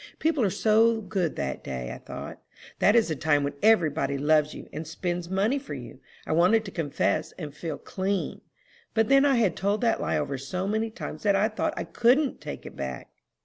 People are so good that day, I thought. That is the time when every body loves you, and spends money for you. I wanted to confess, and feel clean; but then I had told that lie over so many times that I thought I couldn't take it back."